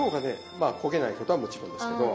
まあ焦げないことはもちろんですけど。